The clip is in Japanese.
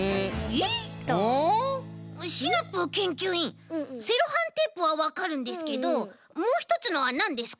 シナプーけんきゅういんセロハンテープはわかるんですけどもうひとつのはなんですか？